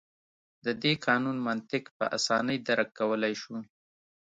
د دې قانون منطق په اسانۍ درک کولای شو.